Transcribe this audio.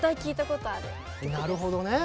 なるほどね。